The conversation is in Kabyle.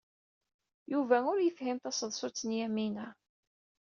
Yuba ur yefhim taseḍsut n Yamina.